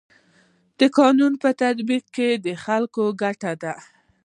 د قانون په تطبیق کي د خلکو ګټه ده.